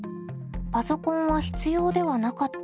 「パソコンは必要ではなかった」